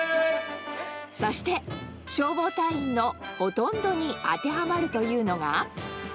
そして消防隊員のほとんどに当てはまるというのが。